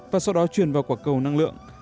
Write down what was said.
và sau đó truyền vào quả cầu năng lượng